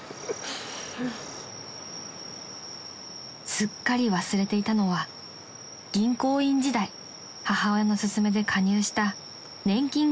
［すっかり忘れていたのは銀行員時代母親の勧めで加入した年金型の保険］